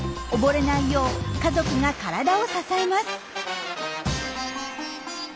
溺れないよう家族が体を支えます。